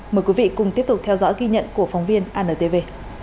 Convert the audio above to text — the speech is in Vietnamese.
mời quý vị cùng tiếp tục theo dõi ghi nhận của phóng viên antv